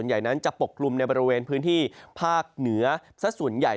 ใหญ่นั้นจะปกกลุ่มในบริเวณพื้นที่ภาคเหนือสักส่วนใหญ่